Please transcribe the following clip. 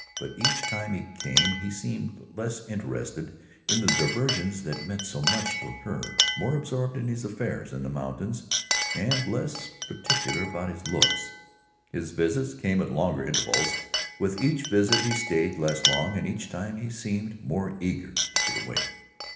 But each time he came, he seemed less interested in the diversions that meant so much to her, more absorbed in his affairs in the mountains and less particular about his looks. His visits came at longer intervals, with each visit he stayed less long, and each time he seemed more eager to get away.